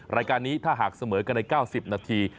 รายการนี้ถ้าหากเสมอกันใน๙๐นาที